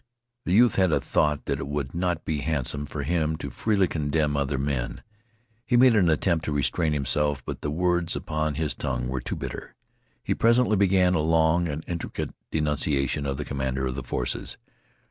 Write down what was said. The youth had a thought that it would not be handsome for him to freely condemn other men. He made an attempt to restrain himself, but the words upon his tongue were too bitter. He presently began a long and intricate denunciation of the commander of the forces.